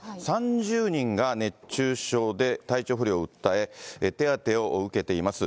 ３０人が熱中症で体調不良を訴え、手当てを受けています。